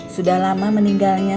sudah lama meninggalnya